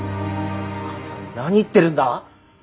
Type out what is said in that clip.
母さん何言ってるんだ？